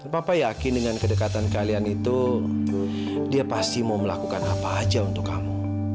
papa yakin dengan kedekatan kalian itu dia pasti mau melakukan apa aja untuk kamu